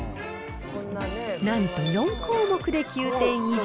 なんと４項目で９点以上。